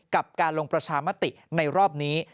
กับการลงประชามติในรอบนี้